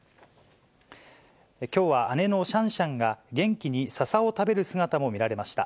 きょうは姉のシャンシャンが元気にささを食べる姿も見られました。